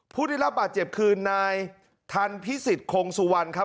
ผู้ได้รับบาดเจ็บคือนายทันพิสิทธิคงสุวรรณครับ